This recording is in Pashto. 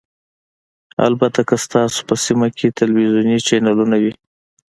البته که ستاسو په سیمه کې تلویزیوني چینلونه وي